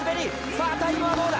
さあタイムはどうだ？